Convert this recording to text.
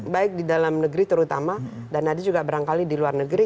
baik di dalam negeri terutama dan adi juga barangkali di luar negeri